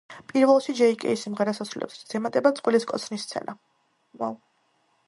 პირველში ჯეი კეი სიმღერას ასრულებს, რასაც ემატება წყვილის კოცნის სცენა.